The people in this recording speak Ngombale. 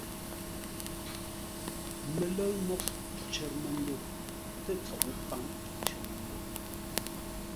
Mələ́ʉ mǒghʼ cər məndo ə́ tsoʼo pǎŋ cər məndo.